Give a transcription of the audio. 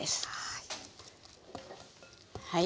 はい。